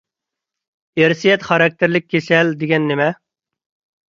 ئىرسىيەت خاراكتېرلىك كېسەل دېگەن نېمە؟